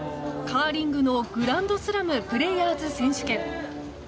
カーリングのグランドスラムプレーヤーズ選手権。